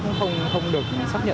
chứ cũng không được xác nhận